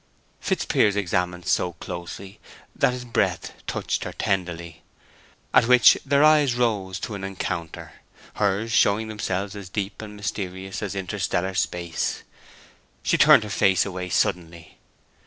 Fitzpiers examined so closely that his breath touched her tenderly, at which their eyes rose to an encounter—hers showing themselves as deep and mysterious as interstellar space. She turned her face away suddenly.